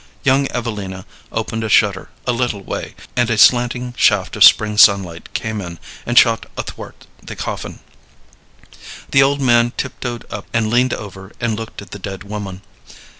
Young Evelina opened a shutter a little way, and a slanting shaft of spring sunlight came in and shot athwart the coffin. The old man tiptoed up and leaned over and looked at the dead woman.